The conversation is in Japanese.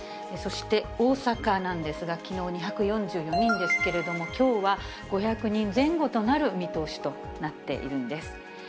そして大阪なんですが、きのう、２４４人ですけれども、きょうは５００人前後となる見通しとなっているんです。